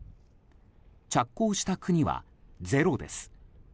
着工した国はゼロです。